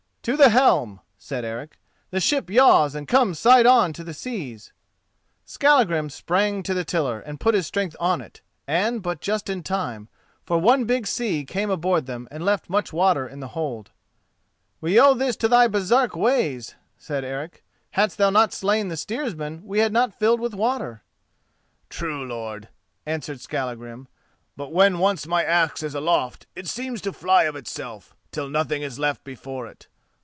"To the helm," said Eric; "the ship yaws and comes side on to the seas." Skallagrim sprang to the tiller and put his strength on it, and but just in time, for one big sea came aboard them and left much water in the hold. "We owe this to thy Baresark ways," said Eric. "Hadst thou not slain the steersman we had not filled with water." "True, lord," answered Skallagrim; "but when once my axe is aloft, it seems to fly of itself, till nothing is left before it.